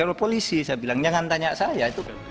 kalau polisi saya bilang jangan tanya saya